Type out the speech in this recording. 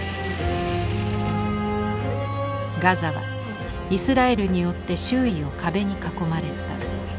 ガザはイスラエルによって周囲を壁に囲まれた。